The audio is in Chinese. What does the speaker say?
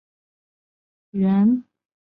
游戏加入了新的石头剪刀布元素。